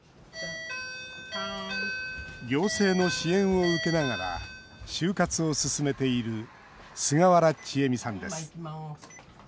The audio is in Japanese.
行政の支援を受けながら終活を進めている菅原智恵美さんです。